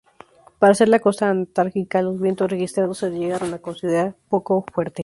Para ser la costa antártica, los vientos registrados se llegaron a considerar poco fuertes.